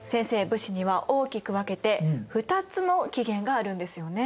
武士には大きく分けて２つの起源があるんですよね？